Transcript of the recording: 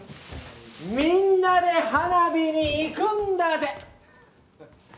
みんなで花火に行くんだＺＥ。ははっ。